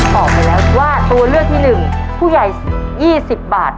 บอกไปแล้วว่าตัวเลือกที่๑ผู้ใหญ่๒๐บาท